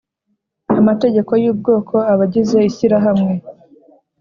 amategeko y ubwoko abagize ishyirahamwe